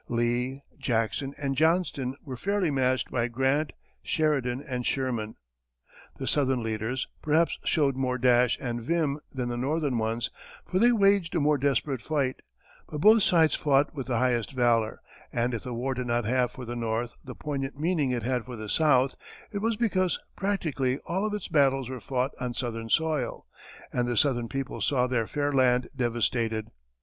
Lee, Jackson and Johnston were fairly matched by Grant, Sheridan and Sherman. The Southern leaders, perhaps, showed more dash and vim than the Northern ones, for they waged a more desperate fight; but both sides fought with the highest valor, and if the war did not have for the North the poignant meaning it had for the South, it was because practically all of its battles were fought on southern soil, and the southern people saw their fair land devastated.